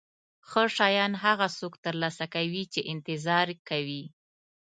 ښه شیان هغه څوک ترلاسه کوي چې انتظار کوي.